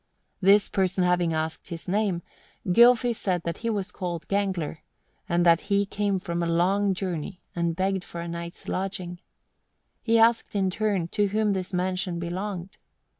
This person having asked his name, Gylfi said that he was called Gangler, and that he came from a long journey, and begged for a night's lodging. He asked, in his turn, to whom this mansion belonged.